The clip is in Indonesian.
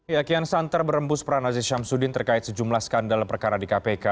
ya kian santer berembus peran aziz syamsuddin terkait sejumlah skandal perkara di kpk